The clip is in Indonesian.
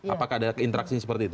apakah ada interaksi seperti itu